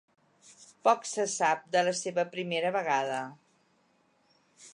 Poc se sap de la seva primera vegada.